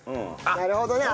なるほどね。